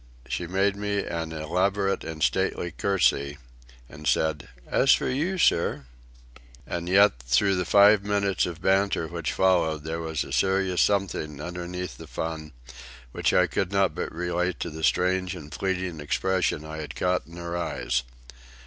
'" She made me an elaborate and stately courtesy, and said, "As for you, sir—" And yet, through the five minutes of banter which followed, there was a serious something underneath the fun which I could not but relate to the strange and fleeting expression I had caught in her eyes.